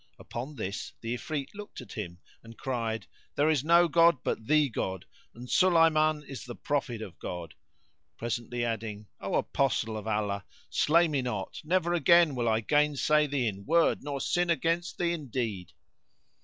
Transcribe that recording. Upon this the Ifrit looked at him and cried, "There is no god but the God, and Sulayman is the prophet of God;" presently adding, "O Apostle of Allah, slay me not; never again will I gainsay thee in word nor sin against thee in deed."